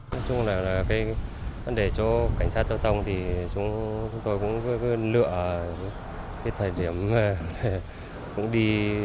nói chung là cái vấn đề cho cảnh sát giao thông thì chúng tôi cũng lựa cái thời điểm cũng đi